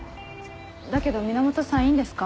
だけど源さんいいんですか？